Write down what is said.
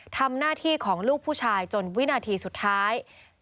ทำหน้าที่ของลูกผู้ชายจนวินาทีสุดท้าย